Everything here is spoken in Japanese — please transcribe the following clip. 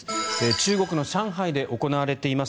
中国の上海で行われています